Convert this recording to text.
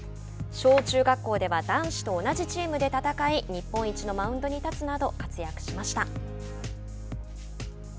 小中学校では男子と同じチームで戦い日本一のマウンドに立つなど活躍しました。